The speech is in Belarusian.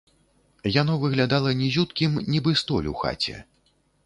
Яно выглядала нізюткім, нібы столь у хаце.